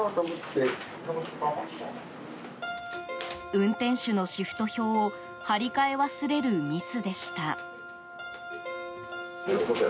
運転手のシフト表を貼り替え忘れるミスでした。